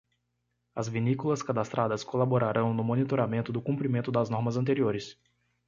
As vinícolas cadastradas colaborarão no monitoramento do cumprimento das normas anteriores.